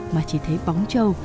mà chỉ thấy bóng trâu